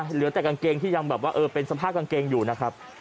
เหลือแต่กางเกงที่ยังแบบว่าเออเป็นสภาพกางเกงอยู่นะครับ